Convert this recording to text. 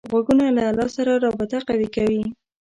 غوږونه له الله سره رابطه قوي کوي